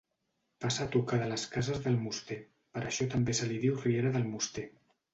Passa a tocar de les cases d'Almoster, per això també se li diu Riera d'Almoster.